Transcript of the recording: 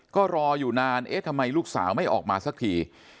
ก็รออยู่นานเอ๊ะทำไมลูกสาวไม่ออกมาสักที